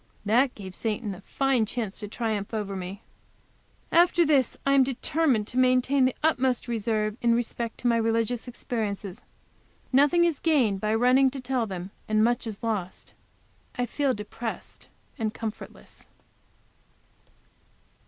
That gave Satan a fine chance to triumph over me! After this I am determined to maintain the utmost reserve in respect to my religious experiences. Nothing is gained by running to tell them, and much is lost. I feel depressed and comfortless.